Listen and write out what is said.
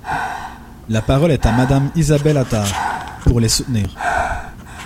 La parole est à Madame Isabelle Attard, pour les soutenir.